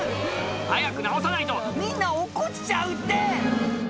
早く直さないとみんな落っこちちゃうって！